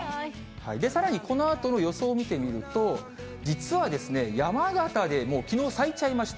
さらにこのあとの予想を見てみると、実はですね、山形でもうきのう咲いちゃいました。